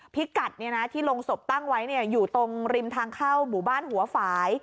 พิกัดที่โรงศพตั้งไว้อยู่ตรงริมทางเข้าหมู่บ้านหัวฝ่าย